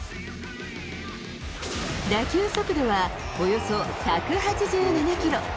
打球速度はおよそ１８７キロ。